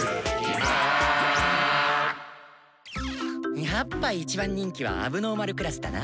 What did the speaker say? やっぱ一番人気は問題児クラスだな。